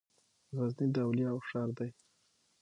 غزنی د اولیاوو ښار دی.